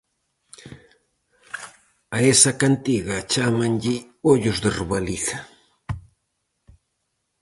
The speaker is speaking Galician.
A esa cantiga chámanlle "Ollos de robaliza".